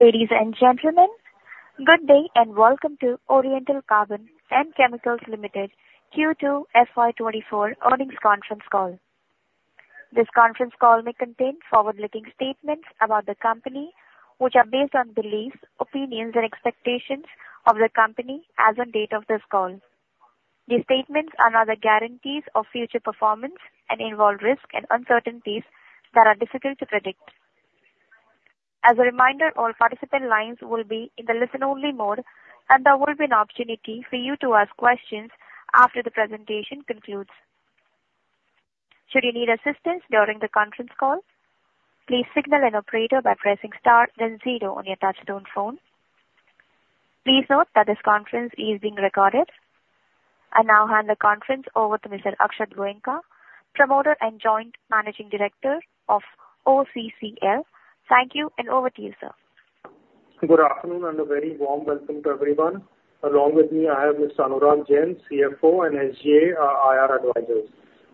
Ladies and gentlemen, good day, and welcome to Oriental Carbon & Chemicals Limited Q2 FY 2024 earnings conference call. This conference call may contain forward-looking statements about the company, which are based on beliefs, opinions, and expectations of the company as on date of this call. These statements are not guarantees of future performance and involve risks and uncertainties that are difficult to predict. As a reminder, all participant lines will be in the listen-only mode, and there will be an opportunity for you to ask questions after the presentation concludes. Should you need assistance during the conference call, please signal an operator by pressing star then zero on your touchtone phone. Please note that this conference is being recorded. I now hand the conference over to Mr. Akshat Goenka, Promoter and Joint Managing Director of OCCL. Thank you, and over to you, sir. Good afternoon, and a very warm welcome to everyone. Along with me, I have Mr. Anurag Jain, CFO, and SGA, our IR advisors.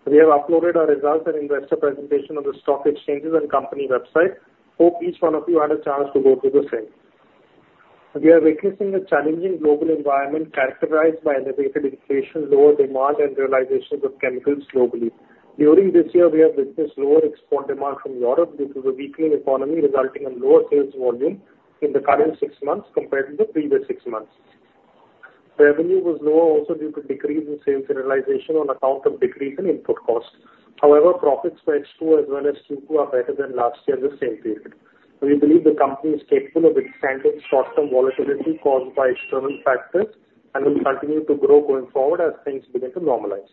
We have uploaded our results and investor presentation on the stock exchanges and company website. Hope each one of you had a chance to go through the same. We are witnessing a challenging global environment characterized by elevated inflation, lower demand, and realization of chemicals globally. During this year, we have witnessed lower export demand from Europe due to the weakening economy, resulting in lower sales volume in the current six months compared to the previous six months. Revenue was lower also due to decrease in sales realization on account of decrease in input costs. However, profits for H2 as well as Q2 are better than last year the same period. We believe the company is capable of withstanding short-term volatility caused by external factors and will continue to grow going forward as things begin to normalize.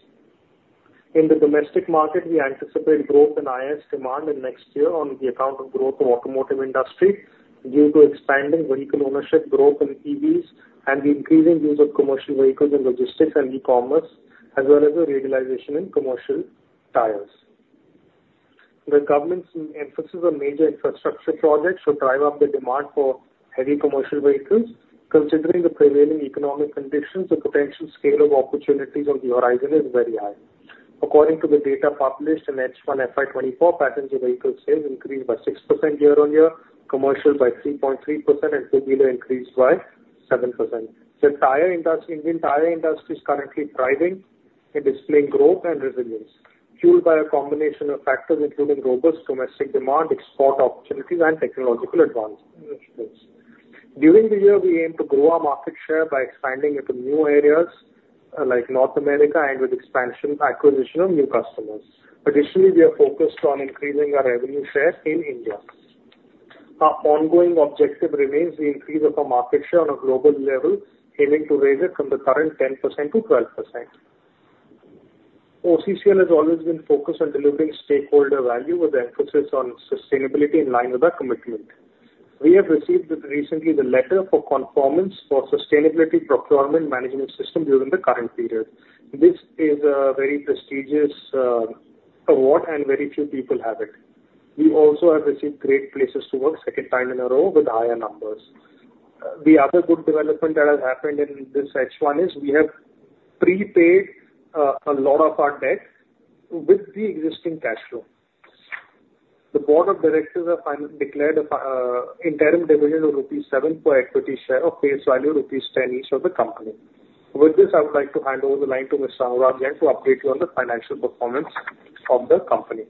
In the domestic market, we anticipate growth in IS demand in next year on the account of growth in automotive industry due to expanding vehicle ownership, growth in EVs, and the increasing use of commercial vehicles in logistics and e-commerce, as well as a regularization in commercial tires. The government's emphasis on major infrastructure projects should drive up the demand for heavy commercial vehicles. Considering the prevailing economic conditions, the potential scale of opportunities on the horizon is very high. According to the data published in H1 FY 2024, passenger vehicle sales increased by 6% year-on-year, commercial by 3.3%, and two-wheeler increased by 7%. The tire industry, Indian tire industry is currently thriving and displaying growth and resilience, fueled by a combination of factors including robust domestic demand, export opportunities, and technological advancements. During the year, we aim to grow our market share by expanding into new areas, like North America, and with expansion, acquisition of new customers. Additionally, we are focused on increasing our revenue share in India. Our ongoing objective remains the increase of our market share on a global level, aiming to raise it from the current 10% to 12%. OCCL has always been focused on delivering stakeholder value, with emphasis on sustainability in line with our commitment. We have received recently the letter for conformance for sustainability procurement management system during the current period. This is a very prestigious award, and very few people have it. We also have received Great Place to Work second time in a row with higher numbers. The other good development that has happened in this H1 is we have prepaid a lot of our debt with the existing cash flow. The board of directors have declared a interim dividend of rupees 7 per equity share of face value rupees 10 each of the company. With this, I would like to hand over the line to Mr. Anurag Jain to update you on the financial performance of the company.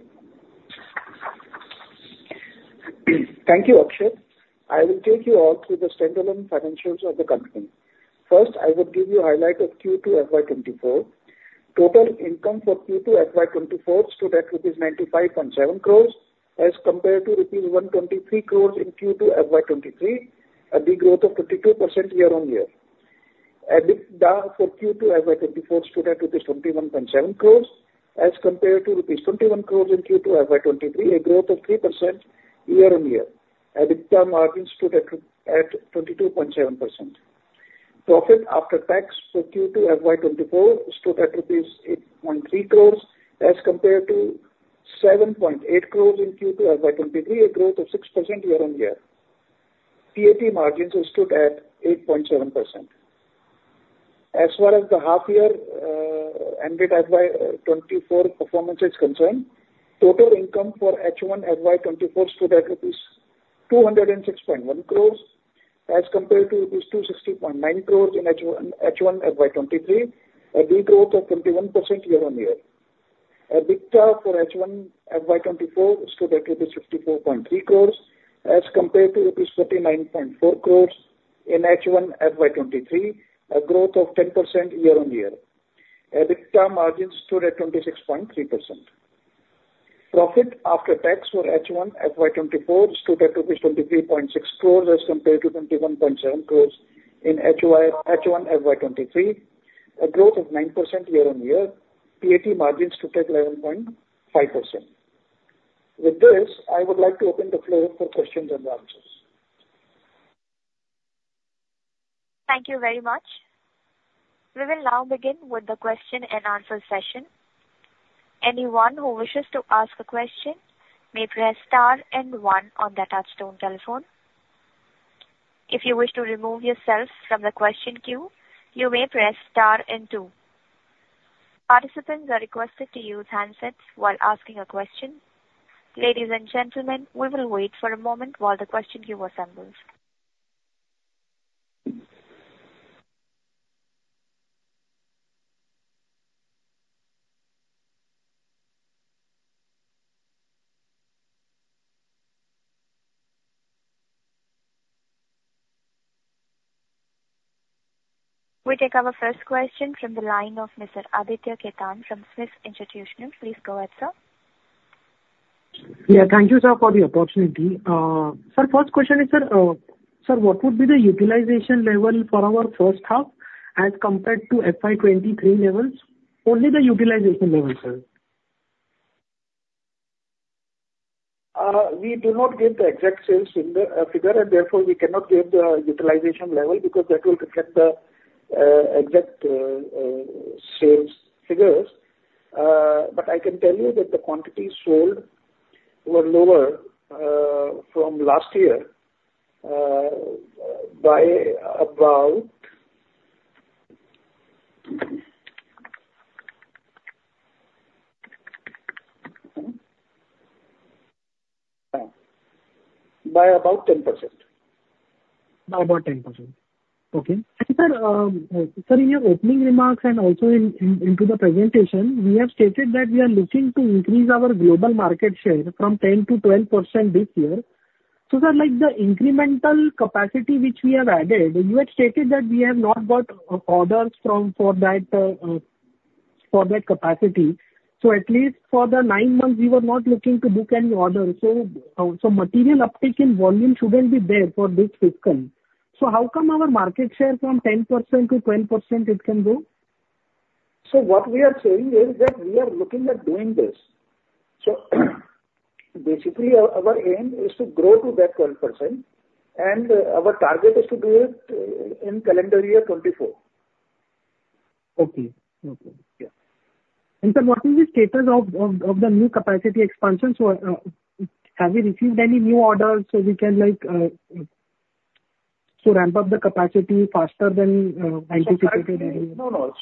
Thank you, Akshat. I will take you all through the standalone financials of the company. First, I will give you a highlight of Q2 FY 2024. Total income for Q2 FY 2024 stood at INR 95.7 crores, as compared to INR 123 crores in Q2 FY 2023, a big growth of 32% year-on-year. EBITDA for Q2 FY 2024 stood at 21.7 crores, as compared to rupees 21 crores in Q2 FY 2023, a growth of 3% year-on-year. EBITDA margins stood at 22.7%. Profit after tax for Q2 FY 2024 stood at rupees 8.3 crores, as compared to 7.8 crores in Q2 FY 2023, a growth of 6% year-on-year. PAT margins stood at 8.7%. As far as the half year ended FY 2024 performance is concerned, total income for H1 FY 2024 stood at 206.1 crores, as compared to 260.9 crores in H1 FY 2023, a big growth of 21% year-on-year. EBITDA for H1 FY 2024 stood at INR 54.3 crores, as compared to INR 39.4 crores in H1 FY 2023, a growth of 10% year-on-year. EBITDA margins stood at 26.3%. Profit after tax for H1 FY 2024 stood at 23.6 crores, as compared to 21.7 crores in H1 FY 2023, a growth of 9% year-on-year. PAT margins stood at 11.5%. With this, I would like to open the floor for questions and answers. Thank you very much. We will now begin with the question and answer session. Anyone who wishes to ask a question may press star and one on their touchtone telephone. If you wish to remove yourself from the question queue, you may press star and two.... Participants are requested to use handsets while asking a question. Ladies and gentlemen, we will wait for a moment while the question queue assembles. We take our first question from the line of Mr. Aditya Khetan from SMIFS Institutional. Please go ahead, sir. Yeah, thank you, sir, for the opportunity. Sir, first question is, sir, sir, what would be the utilization level for our first half as compared to FY 23 levels? Only the utilization level, sir. We do not give the exact sales figure, and therefore we cannot give the utilization level because that will affect the exact sales figures. But I can tell you that the quantities sold were lower from last year by about 10%. By about 10%. Okay. And sir, sir, in your opening remarks and also in into the presentation, we have stated that we are looking to increase our global market share from 10% to 12% this year. So sir, like the incremental capacity which we have added, you had stated that we have not got orders from, for that, for that capacity. So, so material uptick in volume shouldn't be there for this fiscal. So how come our market share from 10% to 20%, it can grow? What we are saying is that we are looking at doing this. Basically, our aim is to grow to that 12%, and our target is to do it in calendar year 2024. Okay. Okay. Yeah. And sir, what is the status of the new capacity expansion? So, have you received any new orders so we can like to ramp up the capacity faster than anticipated? No, no.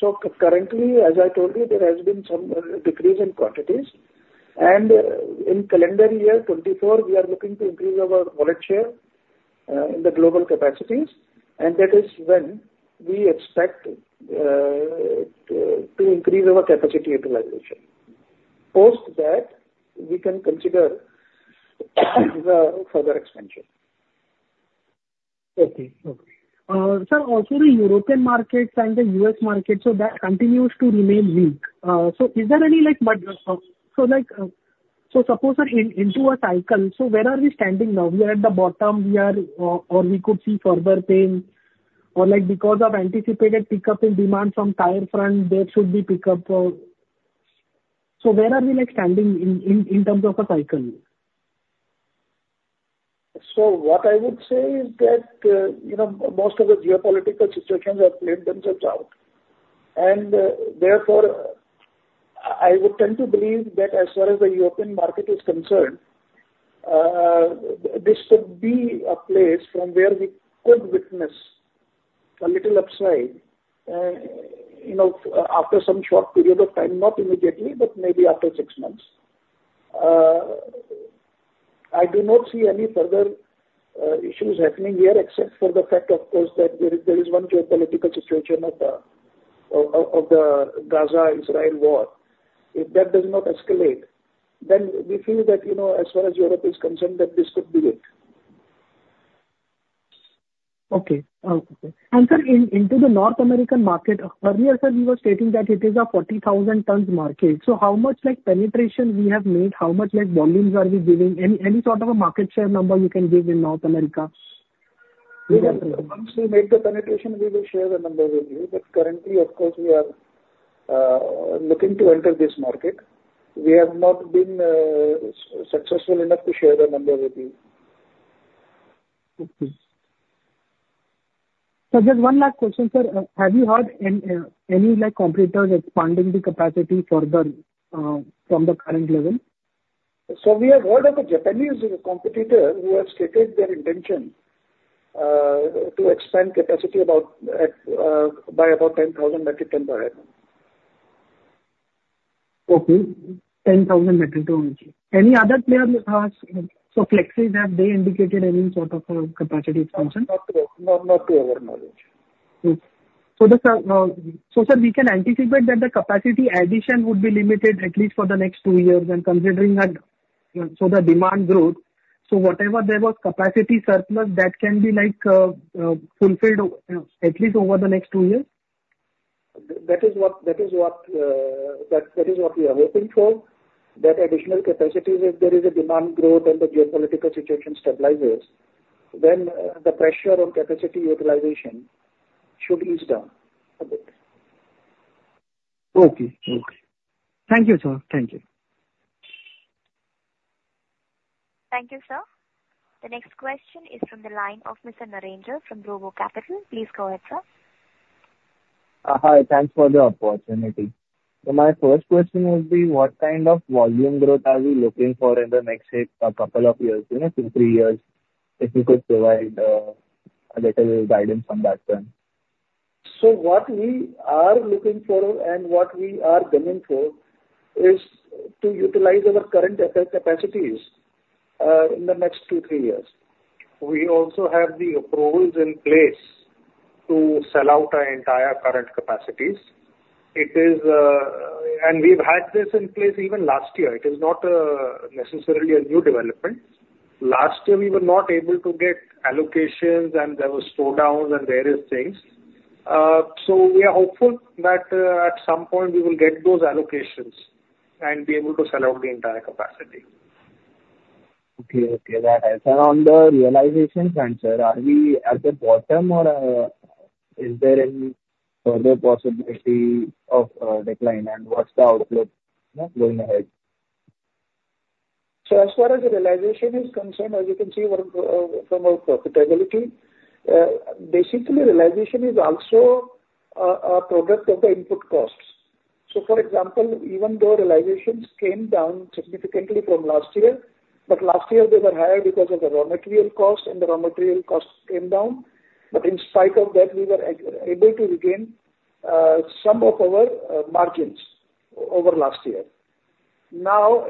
So, currently, as I told you, there has been some decrease in quantities. And in calendar year 2024, we are looking to increase our market share in the global capacities, and that is when we expect to increase our capacity utilization. Post that, we can consider the further expansion. Okay. Okay. Sir, also the European markets and the U.S. market, so that continues to remain weak. So is there any like... So like, so suppose we're into a cycle, so where are we standing now? We are at the bottom, or we could see further pain, or like because of anticipated pickup in demand from tire front, there should be pickup. So where are we like standing in terms of a cycle? So what I would say is that, you know, most of the geopolitical situations have played themselves out. And therefore, I would tend to believe that as far as the European market is concerned, this could be a place from where we could witness a little upside, you know, after some short period of time, not immediately, but maybe after six months. I do not see any further issues happening here, except for the fact, of course, that there is one geopolitical situation of the Gaza-Israel war. If that does not escalate, then we feel that, you know, as far as Europe is concerned, that this could be it. Okay. And sir, in, into the North American market, earlier, sir, you were stating that it is a 40,000 tons market. So how much like penetration we have made, how much like volumes are we giving? Any, any sort of a market share number you can give in North America? Once we make the penetration, we will share the numbers with you. But currently, of course, we are looking to enter this market. We have not been successful enough to share the number with you. Okay. So just one last question, sir. Have you heard any, like, competitors expanding the capacity further from the current level? So we have heard of a Japanese competitor who has stated their intention to expand capacity by about 10,000 metric tons per annum. Okay, 10,000 metric tons. Any other player has... So Flexsys, have they indicated any sort of capacity expansion? Not, not to our knowledge. So, so sir, we can anticipate that the capacity addition would be limited at least for the next two years, and considering that, so the demand growth, so whatever there was capacity surplus, that can be like fulfilled, at least over the next two years? That is what we are hoping for, that additional capacity, if there is a demand growth and the geopolitical situation stabilizes, then the pressure on capacity utilization should ease down a bit. Okay. Okay. Thank you, sir. Thank you. Thank you, sir. The next question is from the line of Mr. Niranjan from Robo Capital. Please go ahead, sir. Hi, thanks for the opportunity. So my first question would be: What kind of volume growth are we looking for in the next couple of years, you know, two, three years, if you could provide-... a little guidance on that then. So what we are looking for and what we are gunning for is to utilize our current capacities in the next two, three years. We also have the approvals in place to sell out our entire current capacities. It is, and we've had this in place even last year. It is not necessarily a new development. Last year, we were not able to get allocations, and there were slowdowns and various things. So we are hopeful that at some point we will get those allocations and be able to sell out the entire capacity. Okay, okay, that helps. On the realization front, sir, are we at the bottom or is there any further possibility of decline, and what's the outlook, you know, going ahead? So as far as the realization is concerned, as you can see from our profitability, basically, realization is also a product of the input costs. So for example, even though realizations came down significantly from last year, but last year they were higher because of the raw material costs, and the raw material costs came down. But in spite of that, we were able to regain some of our margins over last year. Now,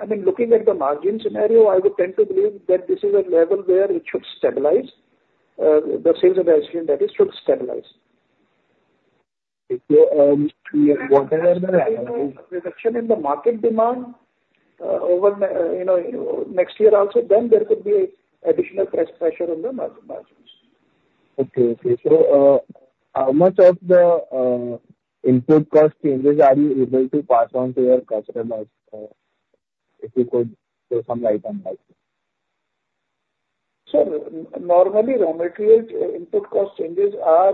I mean, looking at the margin scenario, I would tend to believe that this is a level where it should stabilize the sales and margin, that is, should stabilize. We have one- Reduction in the market demand, over, you know, next year also, then there could be additional price pressure on the margins. Okay, okay. So, how much of the input cost changes are you able to pass on to your customers? If you could shed some light on that. So normally, raw material input cost changes are,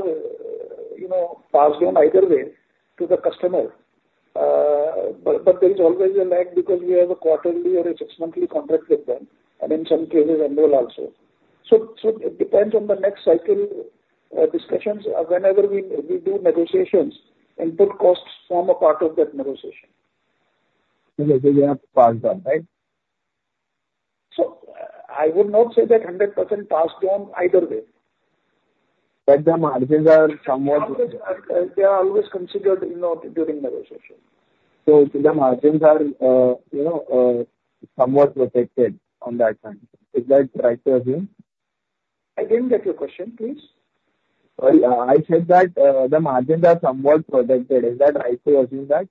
you know, passed on either way to the customer. But there is always a lag because we have a quarterly or a six-monthly contract with them, and in some cases, annual also. So it depends on the next cycle discussions. Whenever we do negotiations, input costs form a part of that negotiation. Okay, they are passed on, right? I would not say that 100% passed on either way. But the margins are somewhat- Margins are, they are always considered, you know, during negotiation. So the margins are, you know, somewhat protected on that front. Is that right to assume? I didn't get your question, please. Well, I said that the margins are somewhat protected. Is that right to assume that?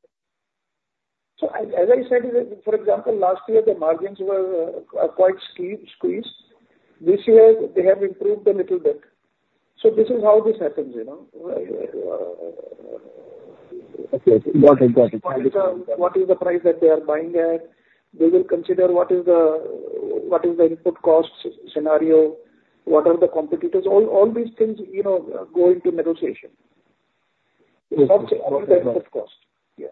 As I said, for example, last year the margins were quite squeezed. This year, they have improved a little bit. So this is how this happens, you know... Okay, got it. Got it. What is the price that they are buying at? They will consider what is the input cost scenario, what are the competitors. All these things, you know, go into negotiation. Okay. At the cost. Yeah.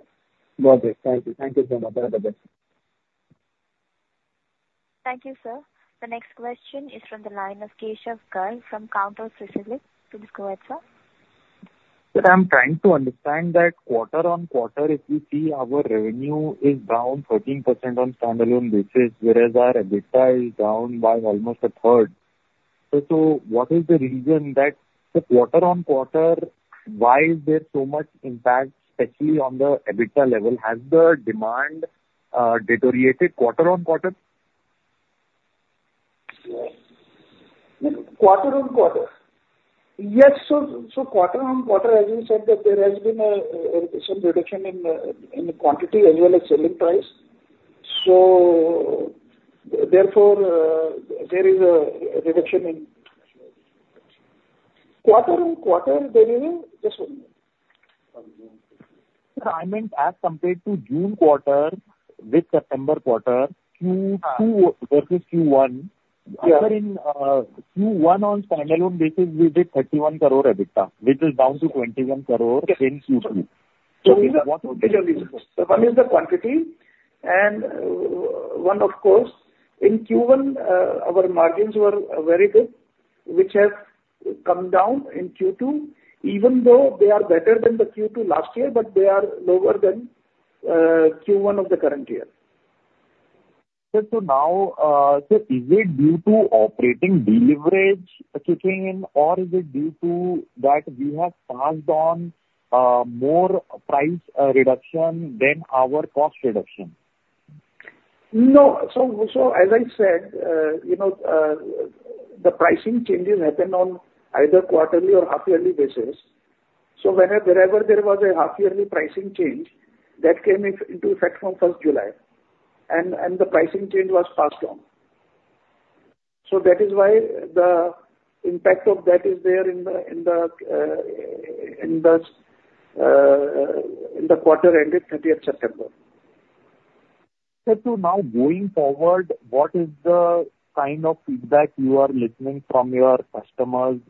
Got it. Thank you. Thank you so much. All the best. Thank you, sir. The next question is from the line of Keshav Garg from Counter Cyclical. Please go ahead, sir. Sir, I'm trying to understand that quarter-on-quarter, if you see our revenue is down 13% on standalone basis, whereas our EBITDA is down by almost a 1/3. So, so what is the reason that quarter-on-quarter, why is there so much impact, especially on the EBITDA level? Has the demand deteriorated quarter-on-quarter? Yes. Quarter-on-quarter. Yes. So, so quarter-on-quarter, as you said, that there has been a some reduction in in the quantity as well as selling price. So therefore, there is a reduction in... Quarter-on-quarter, there is a- Sir, I meant as compared to June quarter with September quarter, Q2 vs. Q1. Yeah. Whereas in Q1 on standalone basis, we did 31 crore EBITDA, which is down to 21 crore in Q2. So one is the quantity, and one, of course, in Q1 our margins were very good, which have come down in Q2, even though they are better than the Q2 last year, but they are lower than Q1 of the current year. Sir, so now, so is it due to operating deleverage kicking in, or is it due to that we have passed on more price reduction than our cost reduction? No. So, as I said, you know, the pricing changes happen on either quarterly or half-yearly basis. So whenever, wherever there was 1/2 yearly pricing change, that came into effect from first July, and the pricing change was passed on. So that is why the impact of that is there in the quarter ended 30th September. Sir, so now going forward, what is the kind of feedback you are listening from your customers?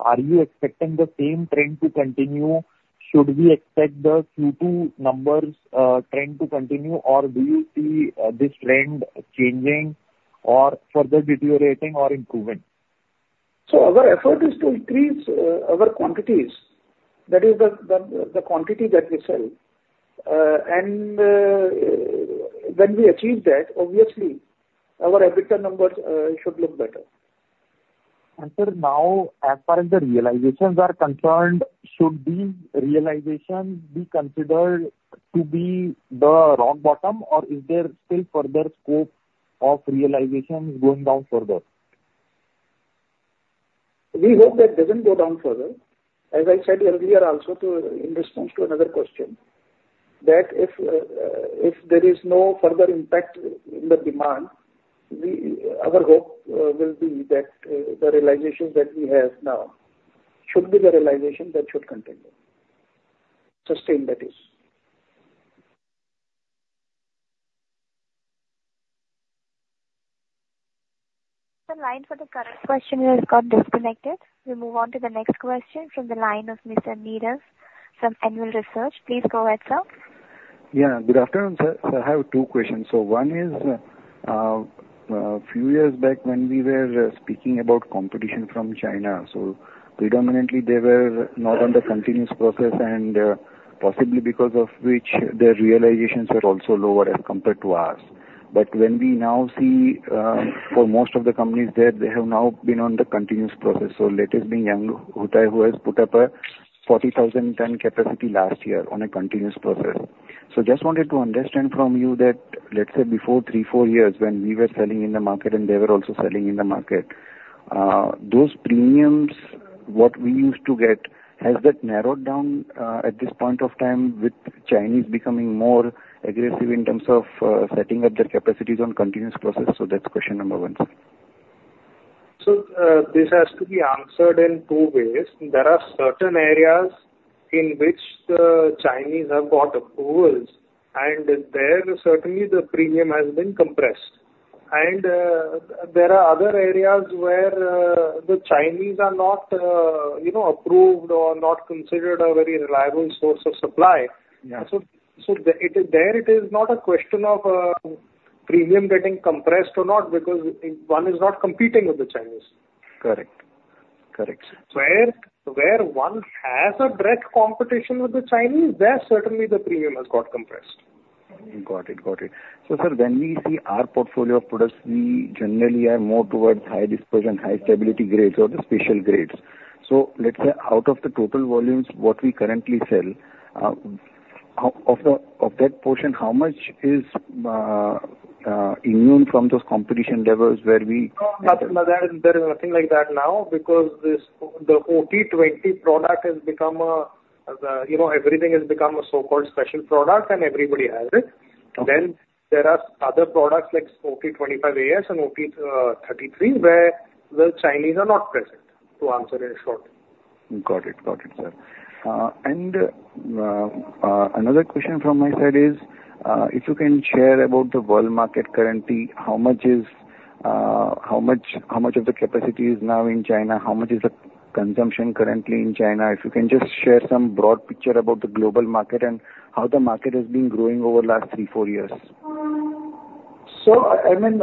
Are you expecting the same trend to continue? Should we expect the Q2 numbers, trend to continue, or do you see, this trend changing or further deteriorating or improving? So our effort is to increase our quantities. That is the quantity that we sell. When we achieve that, obviously, our EBITDA numbers should look better. Sir, now, as far as the realizations are concerned, should these realizations be considered to be the rock bottom, or is there still further scope of realizations going down further? We hope that doesn't go down further. As I said earlier also to, in response to another question, that if there is no further impact in the demand, our hope will be that the realizations that we have now should be the realization that should continue. Sustain, that is. The line for the current questioner has got disconnected. We move on to the next question from the line of Mr. Nirav from Anvil Research. Please go ahead, sir. Yeah, good afternoon, sir. I have two questions. So one is, a few years back when we were speaking about competition from China, so predominantly they were not on the continuous process and, possibly because of which their realizations were also lower as compared to ours. But when we now see, for most of the companies there, they have now been on the continuous process, so latest being Yanggu Huatai, who has put up a 40,000 tons capacity last year on a continuous process. So just wanted to understand from you that, let's say before three to four years when we were selling in the market and they were also selling in the market, those premiums, what we used to get, has that narrowed down, at this point of time with Chinese becoming more aggressive in terms of, setting up their capacities on continuous process? So that's question number one, sir. So, this has to be answered in two ways. There are certain areas in which the Chinese have got approvals, and there, certainly the premium has been compressed. There are other areas where the Chinese are not, you know, approved or not considered a very reliable source of supply. Yeah. So, it is not a question of premium getting compressed or not, because one is not competing with the Chinese. Correct. Correct, sir. Where one has direct competition with the Chinese, there certainly the premium has got compressed. Got it. Got it. So sir, when we see our portfolio of products, we generally are more towards high dispersion, high stability grades or the special grades. So let's say, out of the total volumes what we currently sell, how much of that portion is immune from those competition levels where we- No, there is nothing like that now, because this, the OT-20 product has become a, you know, everything has become a so-called special product and everybody has it. Okay. Then there are other products like OT-25 AS and OT-33, where the Chinese are not present, to answer it shortly. Got it. Got it, sir. And another question from my side is, if you can share about the world market currently, how much is, how much, how much of the capacity is now in China? How much is the consumption currently in China? If you can just share some broad picture about the global market and how the market has been growing over the last three, four years. I mean,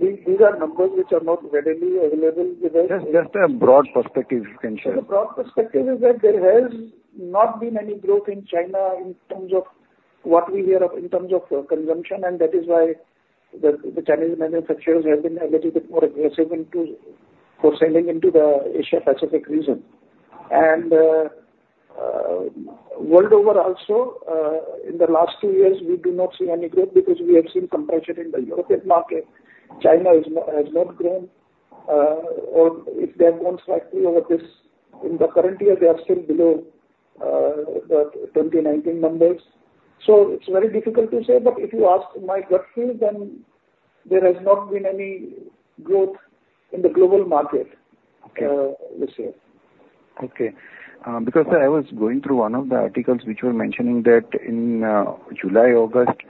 these are numbers which are not readily available with us. Just a broad perspective you can share. The broad perspective is that there has not been any growth in China in terms of what we hear of, in terms of consumption, and that is why the Chinese manufacturers have been a little bit more aggressive into, for selling into the Asia Pacific region. World over also, in the last two years, we do not see any growth because we have seen compression in the European market. China is not, has not grown, or if they have grown slightly over this, in the current year, they are still below the 2019 numbers. So it's very difficult to say, but if you ask my gut feel, then there has not been any growth in the global market- Okay. this year. Okay. Because I was going through one of the articles which were mentioning that in July, August,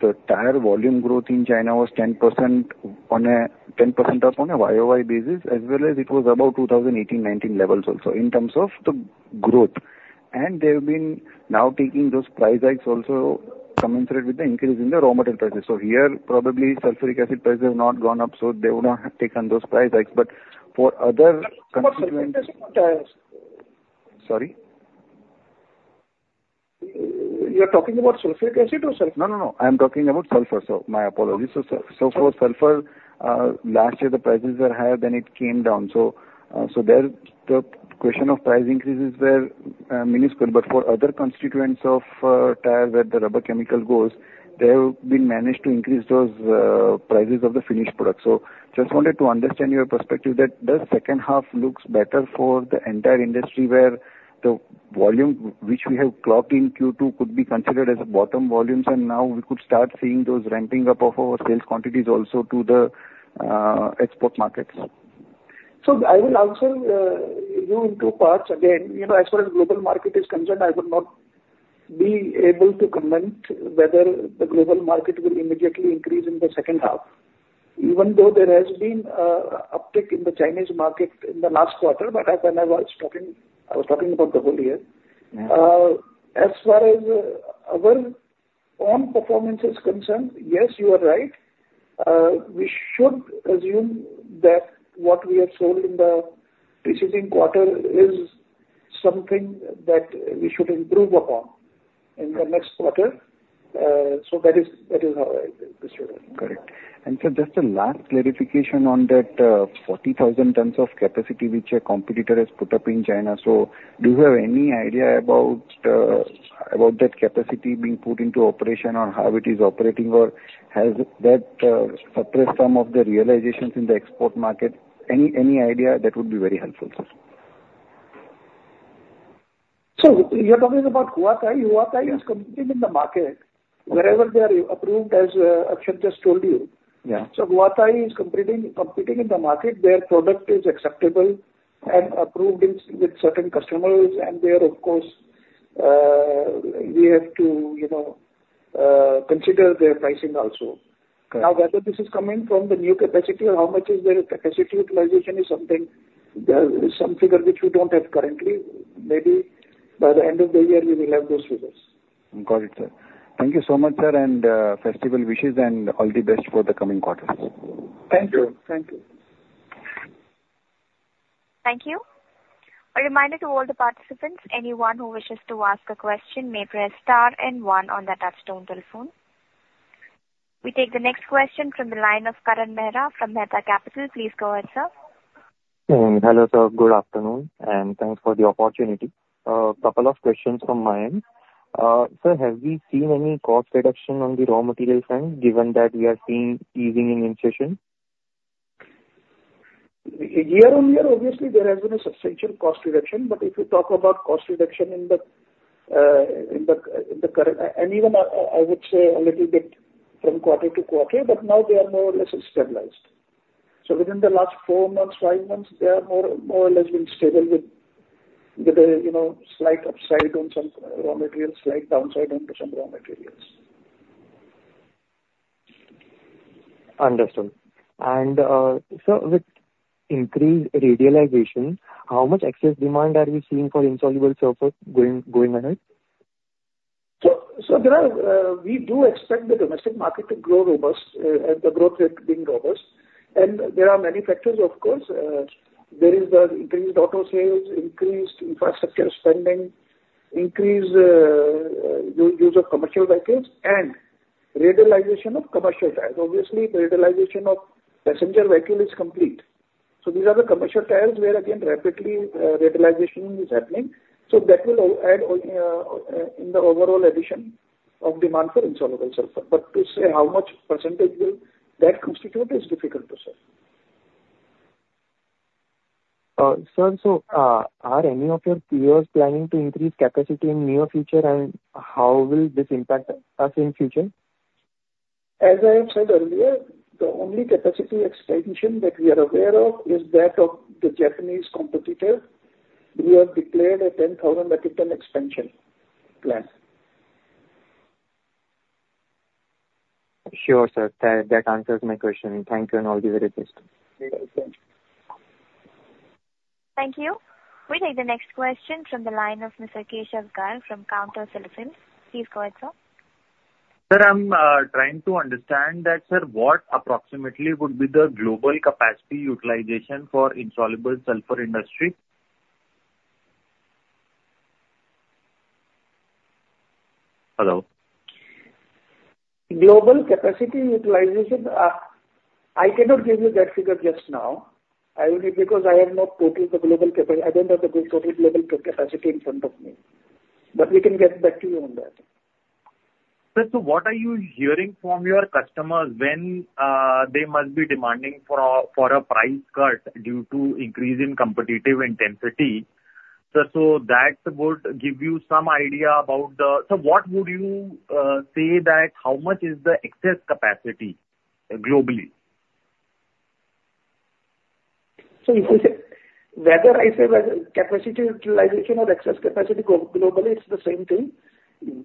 the tire volume growth in China was 10% up on a YOY basis, as well as it was about 2018, 2019 levels also in terms of the growth. And they have been now taking those price hikes also commensurate with the increase in the raw material prices. So here, probably Sulfuric Acid prices have not gone up, so they would not have taken those price hikes. But for other-... Sorry? You're talking about Sulfuric Acid or sorry? No, no, no. I'm talking about Sulfur, so my apologies. So, for Sulfur, last year the prices were higher, then it came down. So, there the question of price increases were minuscule. But for other constituents of tires, where the rubber chemical goes, they have been managed to increase those prices of the finished product. So just wanted to understand your perspective that the second half looks better for the entire industry, where the volume which we have clocked in Q2 could be considered as bottom volumes, and now we could start seeing those ramping up of our sales quantities also to the export markets. So I will answer you in two parts again. You know, as far as global market is concerned, I would not be able to comment whether the global market will immediately increase in the second half. Even though there has been uptick in the Chinese market in the last quarter, but I, when I was talking, I was talking about the whole year. Yeah. As far as our own performance is concerned, yes, you are right. We should assume that what we have sold in the preceding quarter is something that we should improve upon in the next quarter. So that is, that is how I consider it. Correct. And so just a last clarification on that, 40,000 tons of capacity which a competitor has put up in China. So do you have any idea about, about that capacity being put into operation, or how it is operating, or has that, suppressed some of the realizations in the export market? Any, any idea, that would be very helpful. So you're talking about Huatai? Yeah. Huatai is competing in the market wherever they are approved, as Akshay just told you. Yeah. So Huatai is competing in the market. Their product is acceptable and approved with certain customers, and they are of course, we have to, you know, consider their pricing also. Correct. Now, whether this is coming from the new capacity or how much is their capacity utilization is something, some figure which we don't have currently. Maybe by the end of the year, we will have those figures. Got it, sir. Thank you so much, sir, and festival wishes and all the best for the coming quarters. Thank you. Thank you. Thank you. A reminder to all the participants, anyone who wishes to ask a question may press star and one on their touchtone telephone. We take the next question from the line of Karan Mehra from Mehta Capital. Please go ahead, sir. Hello, sir, good afternoon, and thanks for the opportunity. Couple of questions from my end. Sir, have we seen any cost reduction on the raw material front, given that we are seeing easing inflation? Year-on-year, obviously there has been a substantial cost reduction, but if you talk about cost reduction in the current... And even I would say a little bit from quarter-to-quarter, but now they are more or less stabilized. So within the last four months, five months, they are more or less been stable with the, you know, slight upside on some raw materials, slight downside into some raw materials. Understood. And, sir, with increased radialization, how much excess demand are we seeing for insoluble Sulfur going ahead? So, there are, we do expect the domestic market to grow robust, and the growth rate being robust. And there are many factors, of course. There is the increased auto sales, increased infrastructure spending, increased use of commercial vehicles, and radialization of commercial tires. Obviously, radialization of passenger vehicle is complete. So these are the commercial tires where again, rapidly, radialization is happening. So that will add in the overall addition of demand for insoluble Sulfur. But to say how much percentage will that constitute is difficult to say. Sir, so, are any of your peers planning to increase capacity in near future, and how will this impact us in future? As I have said earlier, the only capacity expansion that we are aware of is that of the Japanese competitor. We have declared a 10,000 metric tons expansion plan. Sure, sir. That, that answers my question. Thank you, and all the very best. You're welcome. Thank you. We take the next question from the line of Mr. Keshav Garg from Counter Solutions. Please go ahead, sir. Sir, I'm trying to understand that, sir, what approximately would be the global capacity utilization for insoluble sulfur industry? Hello? Global capacity utilization, I cannot give you that figure just now. I will need, because I have not total the global capacity. I don't have the global, total global capacity in front of me, but we can get back to you on that. Sir, so what are you hearing from your customers when they must be demanding for a price cut due to increase in competitive intensity? Sir, so that would give you some idea about the... Sir, what would you say that how much is the excess capacity globally? So if you say, whether capacity utilization or excess capacity globally, it's the same thing.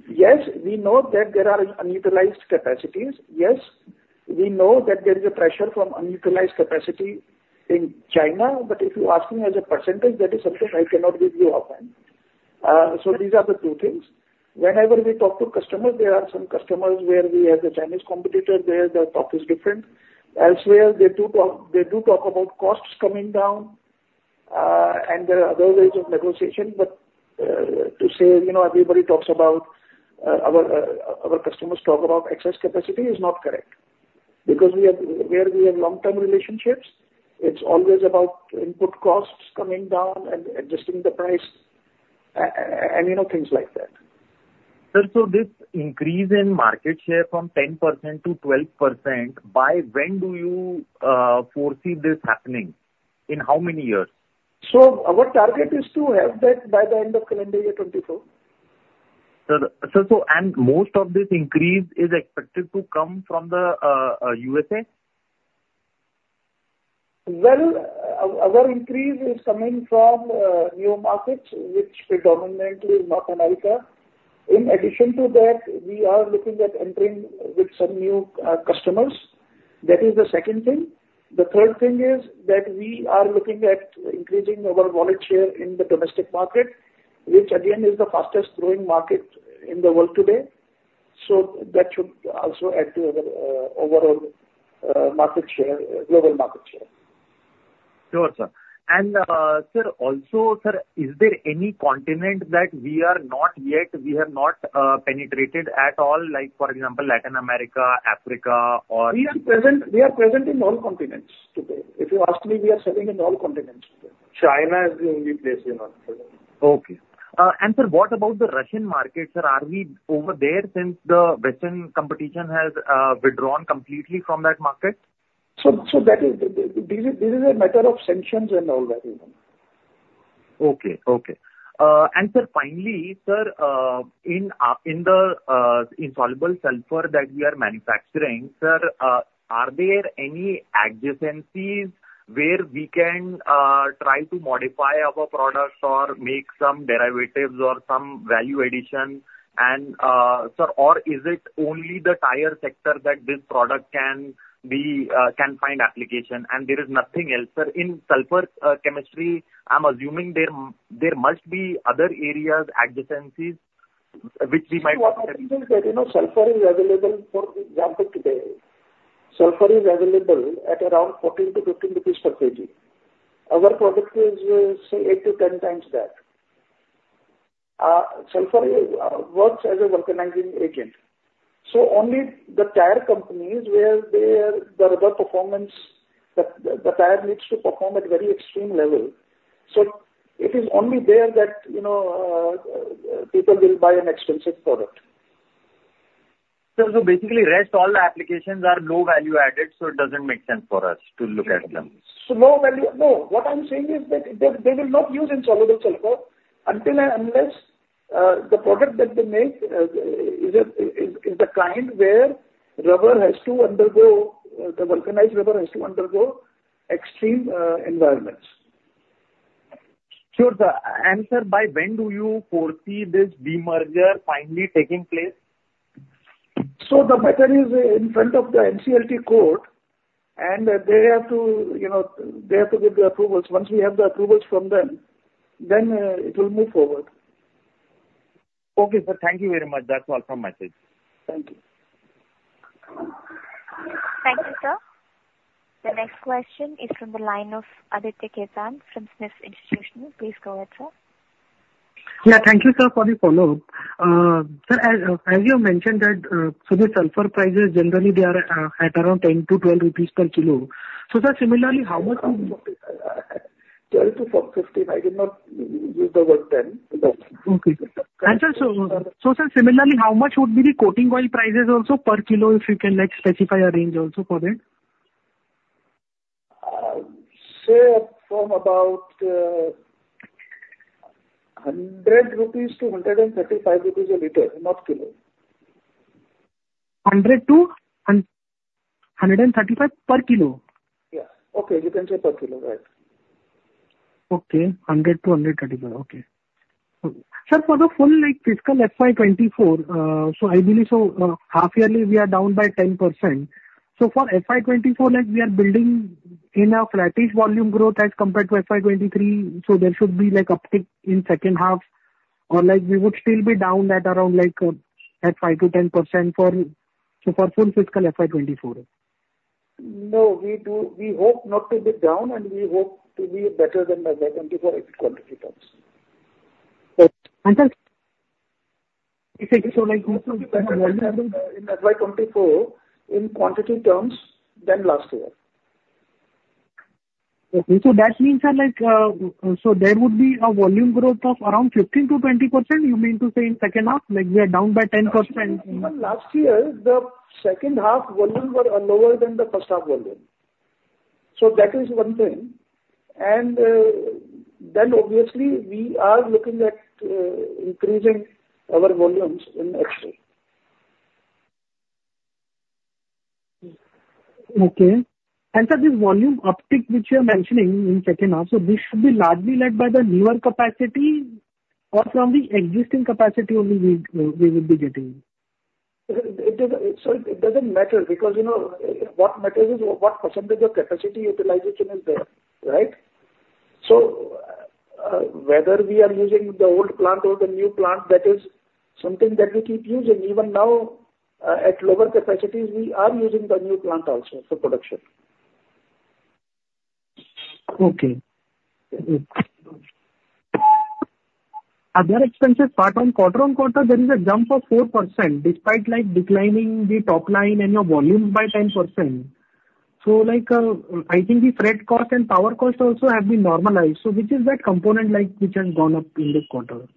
Yes, we know that there are unutilized capacities. Yes, we know that there is a pressure from unutilized capacity in China, but if you ask me as a percentage, that is something I cannot give you offhand. So these are the two things. Whenever we talk to customers, there are some customers where we have a Chinese competitor, there the talk is different. Elsewhere, they do talk, they do talk about costs coming down, and there are other ways of negotiation. But to say, you know, everybody talks about our customers talk about excess capacity is not correct. Because we have, where we have long-term relationships, it's always about input costs coming down and adjusting the price, and you know, things like that. Sir, so this increase in market share from 10% to 12%, by when do you foresee this happening? In how many years? Our target is to have that by the end of calendar year 2024. Sir, sir, most of this increase is expected to come from the U.S.A? Well, our increase is coming from new markets, which predominantly North America. In addition to that, we are looking at entering with some new customers. That is the second thing. The third thing is that we are looking at increasing our volume share in the domestic market, which again is the fastest growing market in the world today. So that should also add to our overall market share, global market share. Sure, sir. And, sir, also, sir, is there any continent that we are not yet, we have not, penetrated at all, like, for example, Latin America, Africa or- We are present, we are present in all continents today. If you ask me, we are selling in all continents today. China is the only place we're not selling. Okay. And sir, what about the Russian market, sir? Are we over there since the Western competition has withdrawn completely from that market? This is a matter of sanctions and all that, you know. Okay. Okay. And sir, finally, sir, in the insoluble sulfur that we are manufacturing, sir, are there any adjacencies where we can try to modify our products or make some derivatives or some value addition? And sir, or is it only the tire sector that this product can find application, and there is nothing else? Sir, in sulfur chemistry, I'm assuming there must be other areas, adjacencies, which we might- So what happens is that, you know, Sulfur is available, for example, today, sulfur is available at around 14-15 rupees per kg. Our product is, say, 8-10x that. Sulfur works as a vulcanizing agent, so only the tire companies where their rubber performance, the tire needs to perform at very extreme level. So it is only there that, you know, people will buy an expensive product. Sir, so basically, rest, all the applications are low value added, so it doesn't make sense for us to look at them? So low value. No, what I'm saying is that they will not use insoluble sulfur until and unless the product that they make is the kind where the vulcanized rubber has to undergo extreme environments. Sure, sir. Sir, by when do you foresee this demerger finally taking place? The matter is in front of the NCLT court, and they have to, you know, they have to give the approvals. Once we have the approvals from them, then, it will move forward. Okay, sir. Thank you very much. That's all from my side. Thank you. Thank you, sir. The next question is from the line of Aditya Khetan from SMIFS Institutional. Please go ahead, sir. Yeah, thank you, sir, for the follow-up. Sir, as you mentioned that, so the sulfur prices, generally they are at around 10-12 rupees per kilo. So sir, similarly, how much- 12-15. I did not use the word ten. Okay. And sir, so sir, similarly, how much would be the coating oil prices also per kilo if you can, like, specify a range also for that? Say from about 100-135 rupees a liter, not kilo. 100 to 135 per kilo? Yeah. Okay, you can say per kilo, right? Okay. 100 to 135. Okay. Sir, for the full, like, fiscal FY 2024, I believe, half yearly we are down by 10%. So for FY 2024, like, we are building enough flattish volume growth as compared to FY 2023, so there should be, like, uptick in second half, or, like, we would still be down at around, like, at 5%-10% for full fiscal FY 2024? No, we do, we hope not to be down, and we hope to be better than FY 2024 in quantity terms. Sir, you said so, like, in terms of volume- In FY 2024 in quantity terms than last year. Okay. So that means that, like, so there would be a volume growth of around 15%-20%, you mean to say in second half, like, we are down by 10%? Even last year, the second half volume were lower than the first half volume. That is one thing. Then obviously we are looking at increasing our volumes in next year. Okay. And sir, this volume uptick which you're mentioning in second half, so this should be largely led by the newer capacity or from the existing capacity only we will be getting? Sir, it doesn't matter, because, you know, what matters is what percentage of capacity utilization is there, right? So, whether we are using the old plant or the new plant, that is something that we keep using. Even now, at lower capacities, we are using the new plant also for production. Okay. Mm-hmm. Other expenses, but on quarter-on-quarter, there is a jump of 4%, despite like declining the top line and your volume by 10%. So like, I think the freight cost and power cost also have been normalized. So which is that component like which has gone up in this quarter?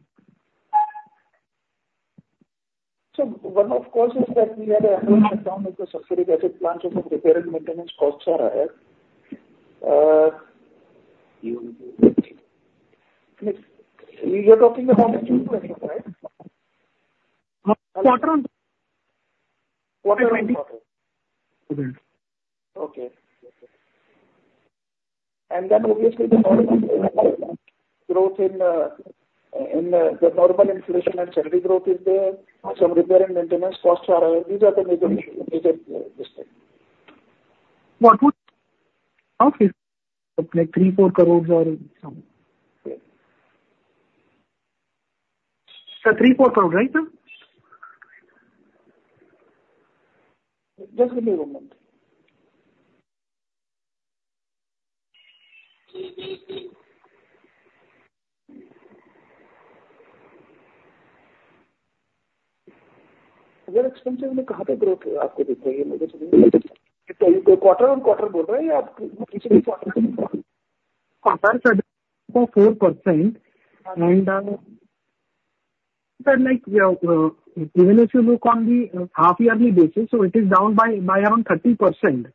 So one of course, is that we had a shutdown of the sulfuric acid plant, so some repair and maintenance costs are higher. You, you're talking about 2024, right? Quarter on- Quarter-on-quarter. Okay. Okay. And then obviously the growth in the normal inflation and salary growth is there. Uh- Some repair and maintenance costs are higher. These are the major, major districts. Like 3-4 crore or some. Sir, 3-4 crore, right, sir? Just give me a moment. Other expenses, where do you see it? Quarter-over-quarter, I'm talking, or- Quarter-on-quarter, 4%. And, sir, like, even if you look on the half-yearly basis, so it is down by, by around 30%.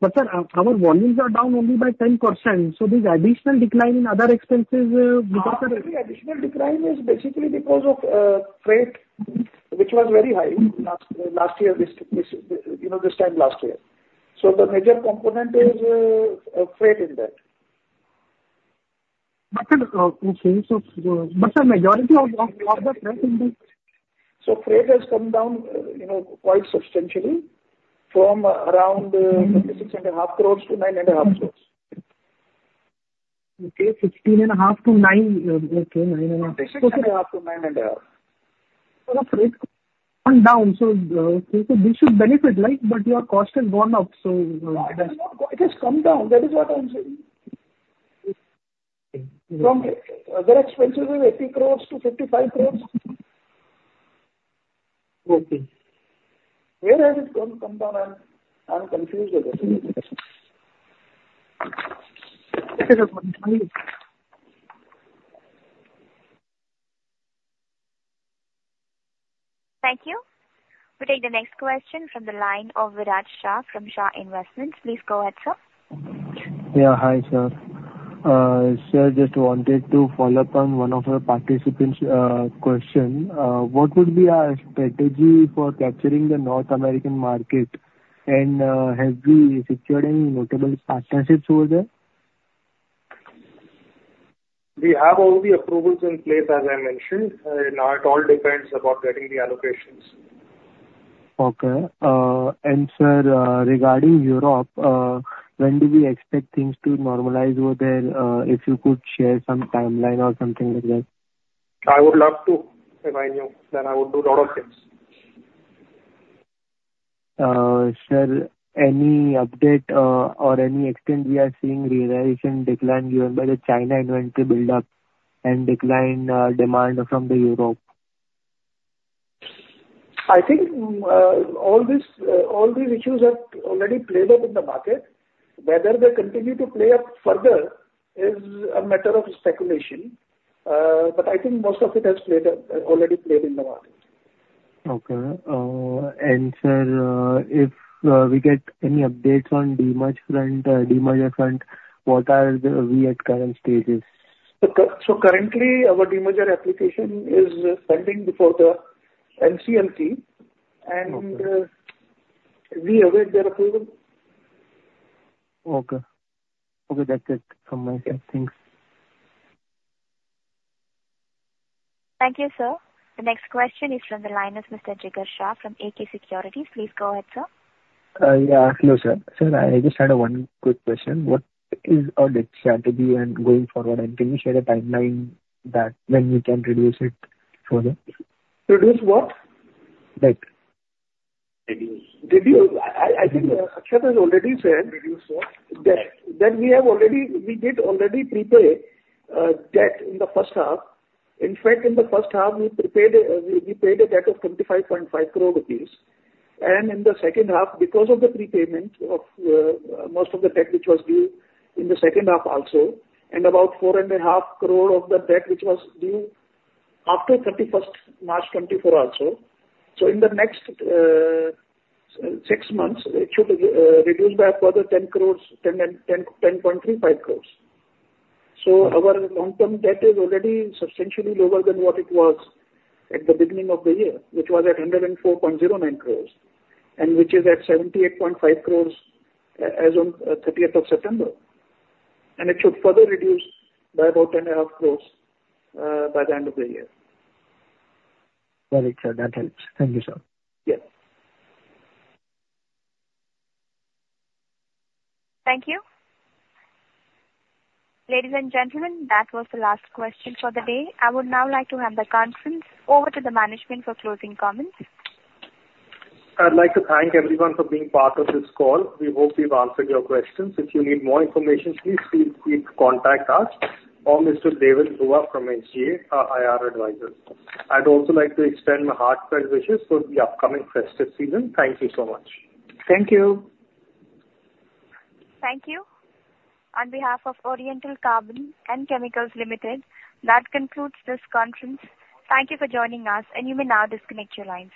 But sir, our, our volumes are down only by 10%, so this additional decline in other expenses, because of the- Additional decline is basically because of freight, which was very high last year, this time last year. So the major component is freight in that. But sir, okay, so, but sir, majority of the freight in the Freight has come down, you know, quite substantially from around- Mm-hmm. 56.5 crore-9.5 crore. Okay, 16.5 to 9, okay, 9.5. 16.5 to 9.5. So the freight come down, so, so this should benefit, right? But your cost has gone up, so... No, it has not. It has come down. That is what I'm saying. Okay. From other expenses, 80 crore-55 crore. Okay. Where has it come d own? I'm confused with it. Thank you. We'll take the next question from the line of Viraj Shah from Shah Investments. Please go ahead, sir. Yeah. Hi, sir. Sir, just wanted to follow up on one of the participants' question. What would be our strategy for capturing the North American market, and have we secured any notable partnerships over there? We have all the approvals in place, as I mentioned. Now it all depends about getting the allocations. Okay. And sir, regarding Europe, when do we expect things to normalize over there? If you could share some timeline or something like that. I would love to. If I knew, then I would do a lot of things. Sir, any update, or any extent we are seeing realization decline given by the China inventory build-up and decline, demand from the Europe? I think all these issues have already played out in the market. Whether they continue to play up further is a matter of speculation, but I think most of it has already played out in the market. Okay. And sir, if we get any updates on demerger front, demerger front, what are we at current stages? Currently our demerger application is pending before the NCLT, and- Okay. We await their approval. Okay. Okay, that's it from my end. Thanks. Thank you, sir. The next question is from the line of Mr. Jigar Shah from AK Securities. Please go ahead, sir. Yeah. Hello, sir. Sir, I just had a one quick question. What is our debt strategy and going forward, and can you share a timeline that when we can reduce it further? Reduce what? Debt. I think Akshat has already said- Reduce what? That we have already, we did already prepay debt in the first half. In fact, in the first half we paid a debt of 25.5 crore rupees. And in the second half, because of the prepayment of most of the debt, which was due in the second half also, and about 4.5 crore of the debt, which was due after 31st March 2024 also. So in the next six months, it should reduce by a further 10.35 crore. So our long-term debt is already substantially lower than what it was at the beginning of the year, which was at 104.09 crore, and which is at 78.5 crore as on 30th of September. It should further reduce by about 10.5 crore by the end of the year. Got it, sir. That helps. Thank you, sir. Yes. Thank you. Ladies and gentlemen, that was the last question for the day. I would now like to hand the conference over to the management for closing comments. I'd like to thank everyone for being part of this call. We hope we've answered your questions. If you need more information, please feel free to contact us or Mr. Deven Dhruva from SGA, our IR advisor. I'd also like to extend my heartfelt wishes for the upcoming festive season. Thank you so much. Thank you! Thank you. On behalf of Oriental Carbon and Chemicals Limited, that concludes this conference. Thank you for joining us, and you may now disconnect your lines.